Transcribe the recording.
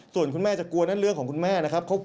ส่วนคุณแม่จะกลัวนั่นเรื่องของคุณแม่นะครับ